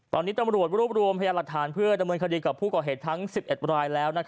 ตอนนี้ตำรวจรวบรวมพยานหลักฐานเพื่อดำเนินคดีกับผู้ก่อเหตุทั้ง๑๑รายแล้ว